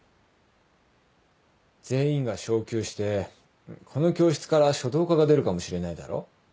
全員が昇級してこの教室から書道家が出るかもしれないだろ？